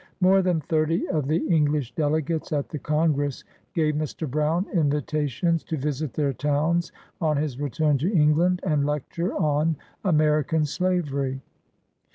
" More than thirty of the Eng lish delegates at the Congress gave Mr. Brown invita tions to visit their towns on his return to England, and lecture on American Slavery.